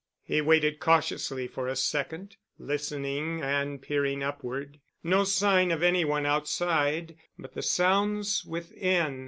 He waited cautiously for a second, listening and peering upward. No sign of any one outside, but the sounds within....